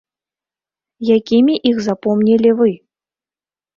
Якімі іх запомнілі вы?